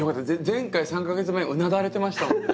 前回３か月前うなだれてましたもんね。